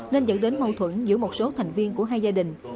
nên dẫn đến mâu thuẫn giữa một số thành viên của hai gia đình